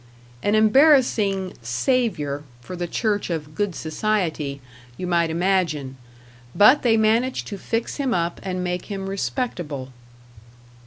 An embarrassing "Savior" for the church of Good Society, you might imagine; but they manage to fix him up and make him respectable.